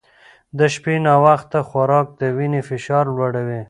د شپې ناوخته خوراک د وینې فشار لوړوي.